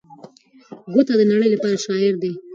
ګوته د نړۍ لپاره شاعر دی.